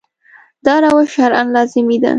دا روش شرعاً لازمي دی.